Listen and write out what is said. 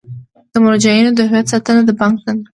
د مراجعینو د هویت ساتنه د بانک دنده ده.